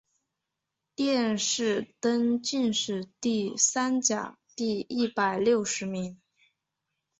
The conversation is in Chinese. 殿试登进士第三甲第一百六十名。